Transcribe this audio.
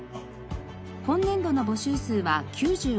今年度の募集数は９５カ所。